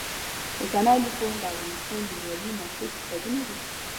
اوسنی لیکوال، د افغانستان نومیالي یې مشهور کتابونه دي.